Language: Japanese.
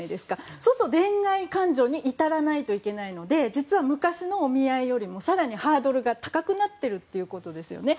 そうすると恋愛感情に至らないといけないので実は昔のお見合いよりも更にハードルが高くなってるんですね。